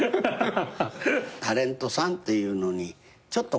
タレントさんっていうのにちょっとこう。